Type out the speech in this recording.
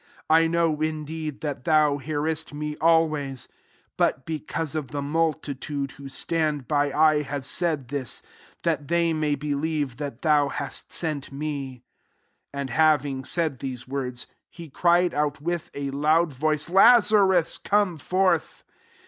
42 I know indeed that thou hearest me always : but because of the multitude who stand by 1 have said thia, that they may believe that thou hast sent me." 43 And having said these words, he cried out with a loud voice, "Lazarus, come forth."